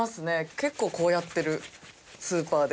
結構こうやってるスーパーで。